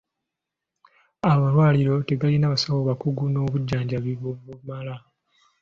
Amalwaliro tegalina basawo bakugu n'obujjanjabi bubulamu.